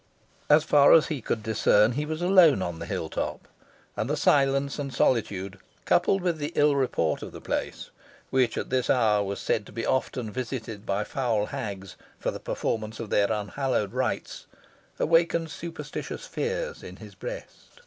As far as he could discern he was alone on the hill top; and the silence and solitude, coupled with the ill report of the place, which at this hour was said to be often visited by foul hags, for the performance of their unhallowed rites, awakened superstitious fears in his breast.